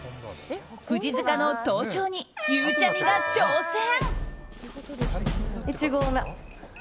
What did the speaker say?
富士塚の登頂にゆうちゃみが挑戦。